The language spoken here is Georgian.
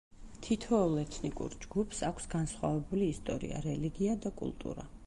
თითოეულ ეთნიკურ ჯგუფს აქვს განსხვავებული ისტორია, რელიგია და კულტურა.